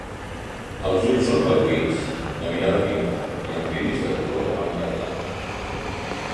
Els ulls són reduïts, de mirada viva i amb l'iris de color ambre clar.